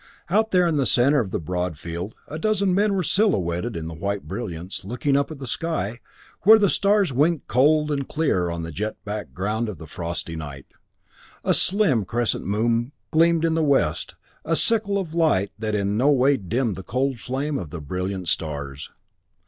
Out there in the center of the broad field a dozen men were silhouetted in the white brilliance, looking up at the sky, where the stars winked cold and clear on the jet background of the frosty night. A slim crescent of moon gleamed in the west, a sickle of light that in no way dimmed the cold flame of the brilliant stars.